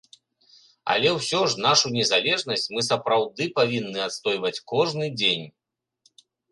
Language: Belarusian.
Але ўсё ж нашу незалежнасць мы сапраўды павінны адстойваць кожны дзень.